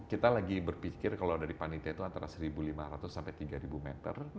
kita lagi berpikir kalau dari panitia itu antara satu lima ratus sampai tiga meter